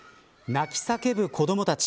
泣き叫ぶ子どもたち。